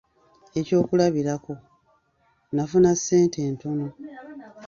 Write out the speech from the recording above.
Ekyokulabirako: “Nafuna ssente ntono".